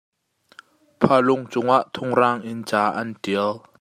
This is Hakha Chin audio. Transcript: Phalung cungah thungrang in ca an ṭial.